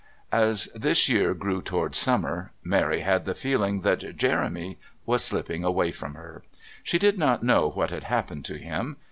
As this year grew towards summer Mary had the feeling that Jeremy was slipping away from her. She did not know what had happened to him.